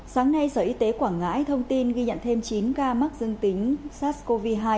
sáng nay sở y tế quảng ngãi thông tin ghi nhận thêm chín ca mắc dương tính sars cov hai